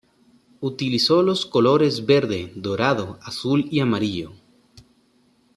Utilizó los colores verde, dorado, azul y amarillo.